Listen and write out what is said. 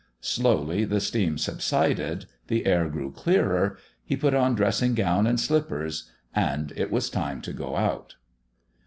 Slowly the steam subsided, the air grew clearer, he put on dressing gown and slippers. It was time to go out.